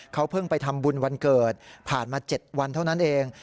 เขาเพิ่งไปทำบุญวันเกิดผ่านมา๗วันเท่านั้นเอง